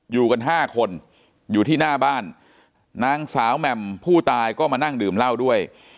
อยู่กันห้าคนอยู่ที่หน้าบ้านนางสาวแหม่มผู้ตายก็มานั่งดื่มเหล้าด้วย